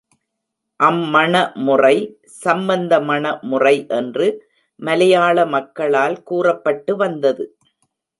அம் மண முறை, சம்பந்த மண முறை என்று மலையாள மக்களால் கூறப்பட்டு வந்தது.